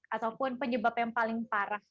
ataupun penyebab yang paling parah